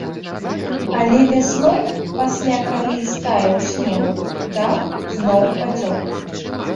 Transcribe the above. Але вясной, пасля калі стаяў снег, дах зноў пацёк.